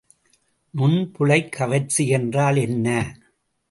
நுண்புழைக் கவர்ச்சி என்றால் என்ன?